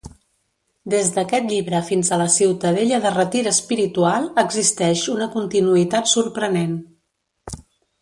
Des d'aquest llibre fins a la ciutadella de retir espiritual existeix una continuïtat sorprenent.